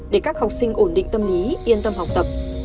để các học sinh ổn định tâm lý yên tâm học tập